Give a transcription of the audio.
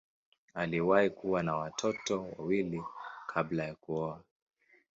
Aliwahi kuwa na watoto wawili kabla ya kuoa.